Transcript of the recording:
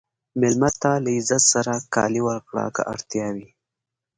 مېلمه ته له عزت سره کالي ورکړه که اړتیا وي.